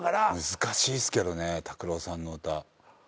難しいっすけどね拓郎さんの歌。